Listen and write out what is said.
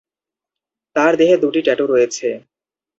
তার দেহে দুটি ট্যাটু রয়েছে।